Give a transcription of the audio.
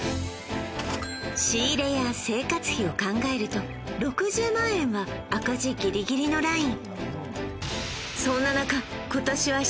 仕入れや生活費を考えると６０万円は赤字ギリギリのライン